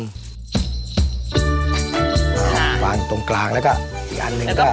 วางอยู่ตรงกลางแล้วก็อีกอันหนึ่งก็